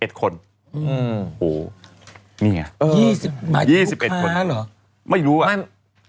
หมายถึงลูกค้าหรอ